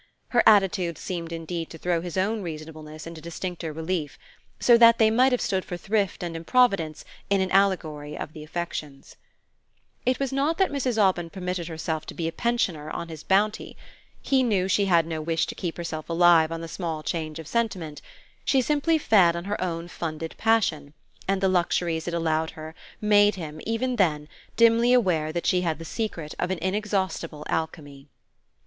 Her attitude seemed indeed to throw his own reasonableness into distincter relief: so that they might have stood for thrift and improvidence in an allegory of the affections. It was not that Mrs. Aubyn permitted herself to be a pensioner on his bounty. He knew she had no wish to keep herself alive on the small change of sentiment; she simply fed on her own funded passion, and the luxuries it allowed her made him, even then, dimly aware that she had the secret of an inexhaustible alchemy.